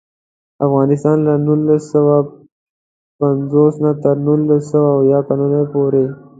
افغانستان له نولس سوه پنځوس نه تر نولس سوه اویا کلونو پورې.